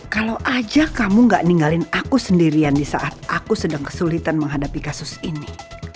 kalau aja kamu gak ninggalin aku sendirian di saat aku sedang kesulitan menghadapi kasus ini